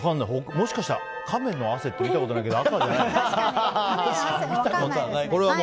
もしかしたらカメの汗って見たことないけど赤いかも。